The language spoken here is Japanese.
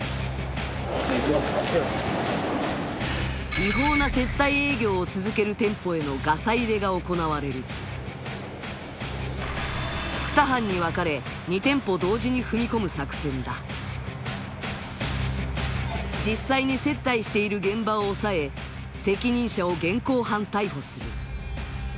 違法な接待営業を続ける店舗へのガサ入れが行われる２班に分かれ２店舗同時に踏み込む作戦だ実際に接待している現場を押さえ責任者を現行犯逮捕する